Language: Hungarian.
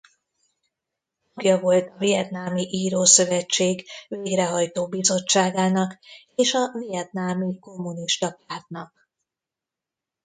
Tagja volt a Vietnami Írószövetség Végrehajtó Bizottságának és a Vietnami Kommunista Pártnak.